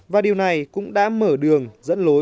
và điều này cũng đã mở đường dẫn lối